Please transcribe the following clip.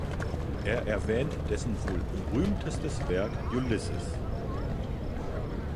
Er erwähnt dessen wohl berühmtestes Werk "Ulysses".